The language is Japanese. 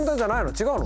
違うの？